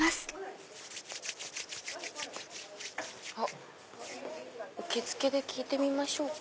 あっ受付で聞いてみましょうか。